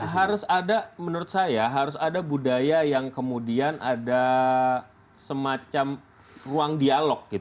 harus ada menurut saya harus ada budaya yang kemudian ada semacam ruang dialog